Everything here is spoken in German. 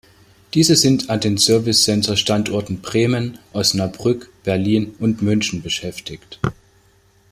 Diese sind an den Service Center Standorten Bremen, Osnabrück, Berlin und München beschäftigt.